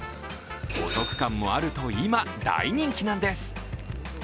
お得感もあると今、大人気なんです。